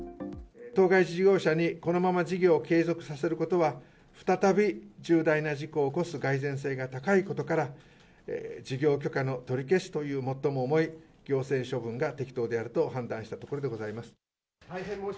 当該事業者にこのまま事業を継続させることは、再び重大な事故を起こす蓋然性が高いことから、事業許可の取り消しという最も重い行政処分が適当であると判断し大変申し訳ございませんでし